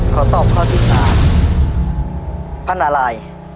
ขอตอบข้อที่สามพระนาราย